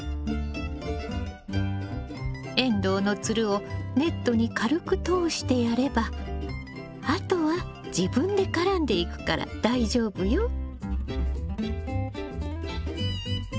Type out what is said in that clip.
エンドウのつるをネットに軽く通してやればあとは自分で絡んでいくから大丈夫よ。